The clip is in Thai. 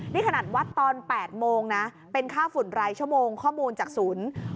นี่ขนาดวัดตอน๘โมงนะเป็นค่าฝุ่นรายชั่วโมงข้อมูลจากศูนย์